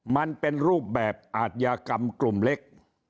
มันเป็นรูปแบบอาทยากรรมกลุ่มเล็ก